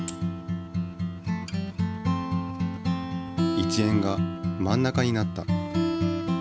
１円が真ん中になった。